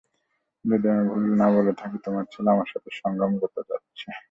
যদি আমি ভুল না বলে থাকি, তোমার ছেলে আমার সাথে সঙ্ঘম করতে চাচ্ছে।